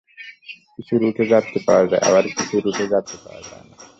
কিছু রুটে যাত্রী পাওয়া যায়, আবার কিছু রুটে পাওয়া যায় না।